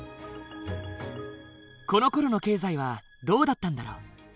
このころの経済はどうだったんだろう？